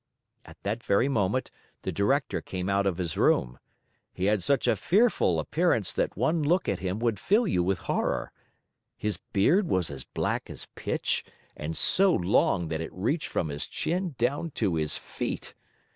At that very moment, the Director came out of his room. He had such a fearful appearance that one look at him would fill you with horror. His beard was as black as pitch, and so long that it reached from his chin down to his feet.